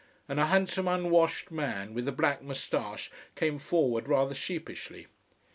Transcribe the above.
And a handsome, unwashed man with a black moustache came forward rather sheepishly.